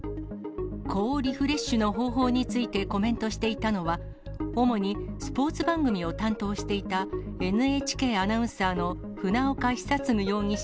こうリフレッシュの方法についてコメントしていたのは、主にスポーツ番組を担当していたＮＨＫアナウンサーの船岡久嗣容疑者